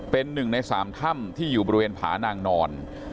เป็นหนึ่งในสามถ้ำที่อยู่บริเวณผานางนอน